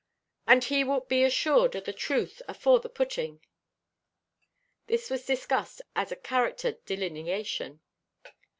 And he wilt be assured o' the truth afore the putting." This was discussed as a character delineation.